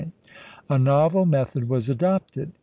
A novel method was adopted.